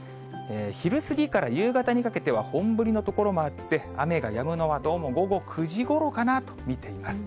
昼過ぎから夕方にかけては本降りの所もあって、雨がやむのはどうも午後９時ごろかなと見ています。